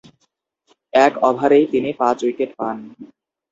এক ওভারেই তিনি পাঁচ উইকেট পান।